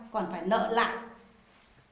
còn phải lỡ lại